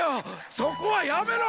そこはやめろ！